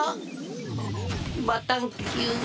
バタンキュー。